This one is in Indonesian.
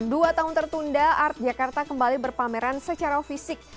dua tahun tertunda art jakarta kembali berpameran secara fisik